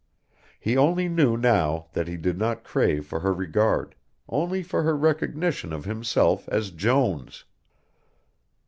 He only knew now that he did not crave for her regard, only for her recognition of himself as Jones.